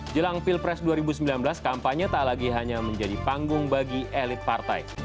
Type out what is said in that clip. jelang pilpres dua ribu sembilan belas kampanye tak lagi hanya menjadi panggung bagi elit partai